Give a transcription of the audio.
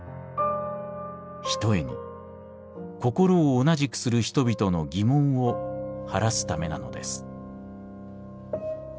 ひとえに心を同じくする人々の疑問を晴らすためなのです」。